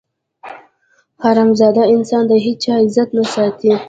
حرامزاده انسان د هېچا عزت نه ساتي.